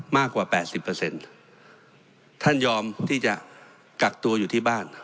มากกว่าแปดสิบเปอร์เซ็นต์ท่านยอมที่จะกักตัวอยู่ที่บ้าน